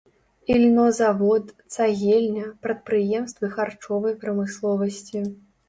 Ільнозавод, цагельня, прадпрыемствы харчовай прамысловасці.